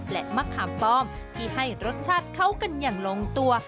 และมะขามปลอมที่ให้รสชาติเข้ากันอย่างลงตัว